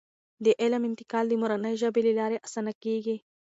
د علم انتقال د مورنۍ ژبې له لارې اسانه کیږي.